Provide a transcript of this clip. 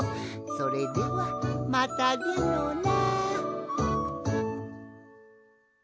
それではまたでのな。